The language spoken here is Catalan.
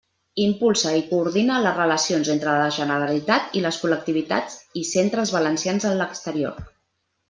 Impulsa i coordina les relacions entre la Generalitat i les col·lectivitats i centres valencians en l'exterior.